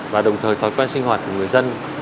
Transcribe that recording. và đồng thời thói quen sinh hoạt của người dân